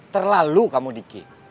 terlalu kamu dikit